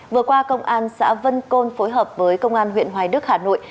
vừa qua công an xã vân côn phối hợp với công an huyện hoài đức hà nội